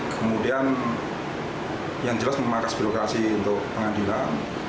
kemudian yang jelas memakas birokrasi untuk pengadilan